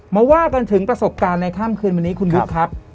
ว่ากันถึงประสบการณ์ในค่ำคืนวันนี้คุณวุฒิครับ